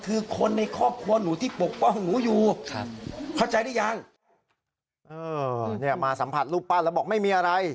เออนี่มาสัมผัสรูปปั้นแล้วบอกไม่มีอะไร